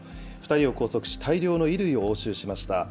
２人を拘束し、大量の衣料を押収しました。